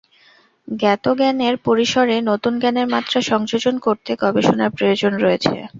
জ্ঞাত জ্ঞানের পরিসরে নতুন জ্ঞানের মাত্রা সংযোজন করতে গবেষণার প্রয়োজন রয়েছে।